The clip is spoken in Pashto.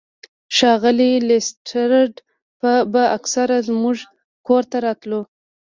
ښاغلی لیسټرډ به اکثر زموږ کور ته راتلو.